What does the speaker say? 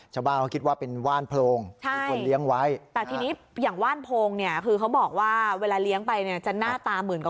ชาวบ้านเค้าคิดว่าเป็นว่านโพง